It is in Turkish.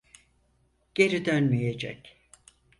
Geri dönmeyecek.